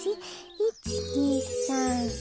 １２３４。